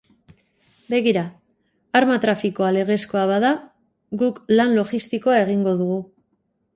Begira, arma trafikoa legezkoa bada, guk lan logistikoa egingo dugu.